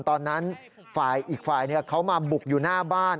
ตอนนั้นฝ่ายอีกฝ่ายเขามาบุกอยู่หน้าบ้าน